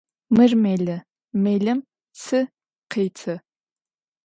Mır melı, melım tsı khêtı.